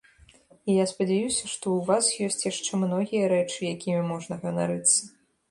І я спадзяюся, што ў вас ёсць яшчэ многія рэчы, якімі можна ганарыцца.